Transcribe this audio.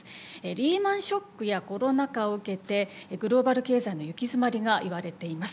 リーマンショックやコロナ禍を受けてグローバル経済の行き詰まりが言われています。